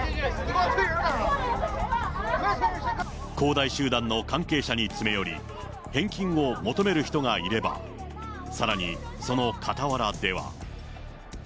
恒大集団の関係者に詰め寄り、返金を求める人がいれば、さらにその傍らでは。